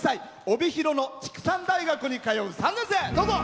帯広の畜産大学に通う３年生。